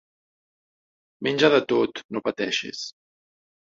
Menja de tot, no pateixis.